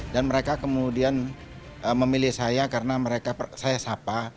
dan mereka kemudian memilih saya karena saya sapa